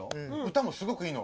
歌もすごくいいの。